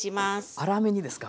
粗めにですか？